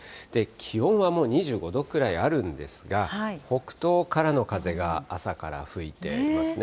気温はもう２５度くらいあるんですが、北東からの風が朝から吹いていますね。